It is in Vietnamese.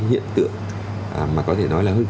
hiện tượng mà có thể nói là hơi